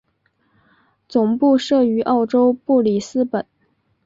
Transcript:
总部设于澳洲布里斯本。